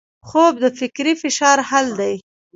خوب د فکري فشار حل دی